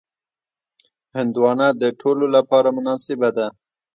هندوانه د ټولو لپاره مناسبه ده.